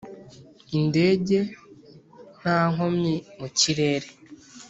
indege nta nkomyi mu kirere